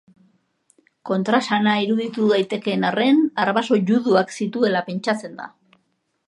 Kontraesana iruditu daitekeen arren, arbaso juduak zituela pentsatzen da.